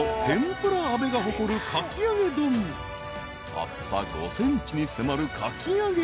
［厚さ５ｃｍに迫るかき揚げ］